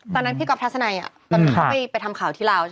ตอนนั้นพี่กอฟทัศนัยเข้าไปทำข่าวที่ลาว